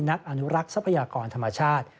นักอนุรักษ์ทรัพยากรธรรมชาติ